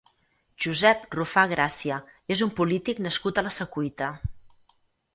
Josep Rufà Gràcia és un polític nascut a la Secuita.